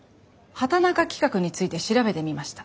畑中企画について調べてみました。